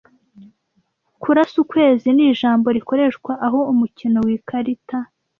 Kurasa ukwezi ni ijambo rikoreshwa aho umukino wikarita